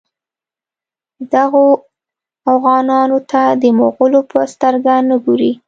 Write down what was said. دغو اوغانانو ته د مغولو په سترګه نه ګوري.